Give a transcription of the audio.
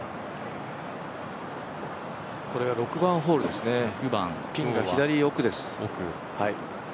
これが６番ホールですね、ピンが左奥です。